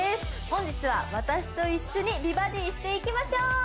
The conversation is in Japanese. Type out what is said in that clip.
本日は私と一緒に美バディしていきましょう！